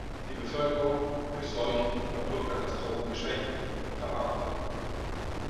Die Bevölkerung, durch Seuchen und Naturkatastrophen geschwächt, verarmte.